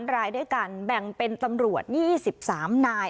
รายด้วยกันแบ่งเป็นตำรวจ๒๓นาย